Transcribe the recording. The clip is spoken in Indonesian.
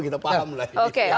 kita paham lah